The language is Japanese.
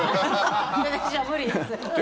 私は無理です。